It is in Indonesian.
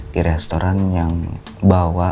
di restoran yang bawa